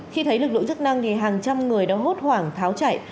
khi thấy lực lượng chức năng hàng trăm người đã hốt hoảng tháo chảy